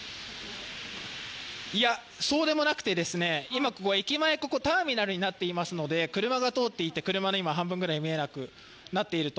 いや、そうでもなく、ここは駅前のターミナルになっていますので、車が通っていて今、車が半分くらい見えなくなっていると。